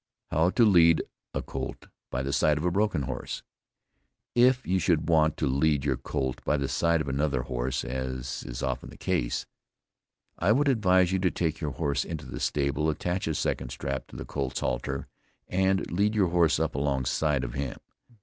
HOW TO LEAD A COLT BY THE SIDE OF A BROKEN HORSE. If you should want to lead your colt by the side of another horse, as is often the case, I would advise you to take your horse into the stable, attach a second strap to the colt's halter, and lead your horse up alongside of him.